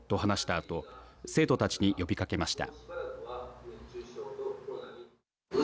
あと生徒たちに呼びかけました。